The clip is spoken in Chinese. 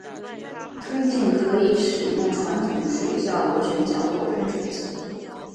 推进可以使用传统水下螺旋桨或喷水机。